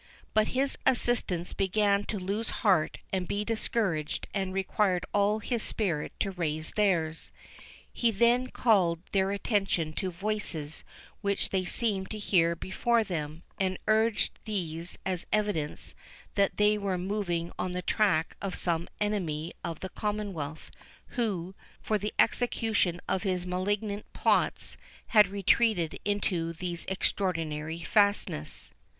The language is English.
But his assistants began to lose heart and be discouraged, and required all his spirit to raise theirs. He then called their attention to voices which they seemed to hear before them, and urged these as evidence that they were moving on the track of some enemy of the Commonwealth, who, for the execution of his malignant plots, had retreated into these extraordinary fastnesses.